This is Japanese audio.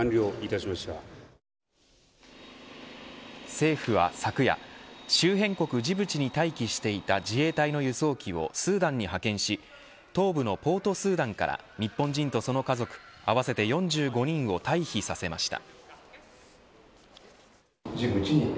政府は昨夜周辺国ジブチに待機していた自衛隊の輸送機をスーダンに派遣し東部のポートスーダンから日本人とその家族合わせて４５人を退避させました。